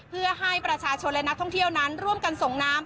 เพื่อให้ประชาชนและนักท่องเที่ยวนั้นร่วมกันส่งน้ำ